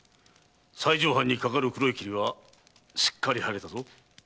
西条藩にかかる黒い霧はすっかり晴れたぞ。